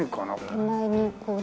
手前にこうね